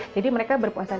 jadi mereka berpuasa